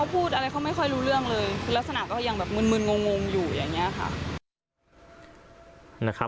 พูดอะไรไม่ค่อยรู้เรื่องเลยลักษณะมึ้นฮบอยู่อย่างนี้ค่ะ